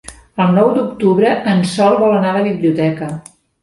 El nou d'octubre en Sol vol anar a la biblioteca.